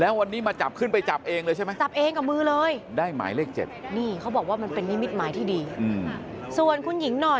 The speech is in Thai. แล้ววันนี้มาจับขึ้นไปจับเองเลยใช่ไหม